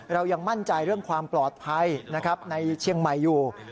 เรายังมั่นใจเรื่องความปลอดภัยนะครับในเชียงใหม่อยู่